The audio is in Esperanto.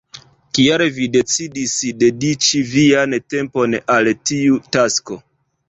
Kial vi decidis dediĉi vian tempon al tiu tasko?